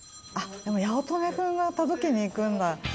でも八乙女君が届けに行くんだ。